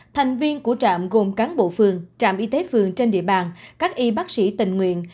thành viên của trạm gồm cán bộ phường trạm y tế phường trên địa bàn các y bác sĩ tình nguyện